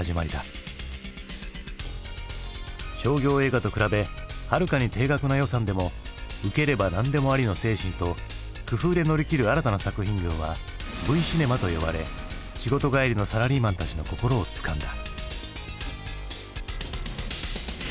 商業映画と比べはるかに低額な予算でも受ければ何でもありの精神と工夫で乗り切る新たな作品群は「Ｖシネマ」と呼ばれ仕事帰りのサラリーマンたちの心をつかんだ。